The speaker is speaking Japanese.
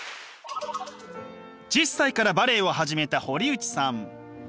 １０歳からバレエを始めた堀内さん。